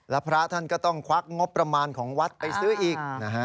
แล้วพระท่านก็ต้องควักงบประมาณของวัดไปซื้ออีกนะฮะ